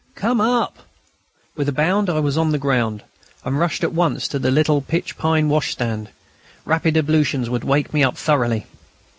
"Come, up!" With a bound I was on the ground, and rushed at once to the little pitch pine washstand. Rapid ablutions would wake me up thoroughly.